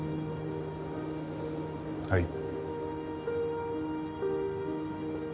はい。